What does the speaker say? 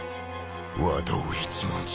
和道一文字。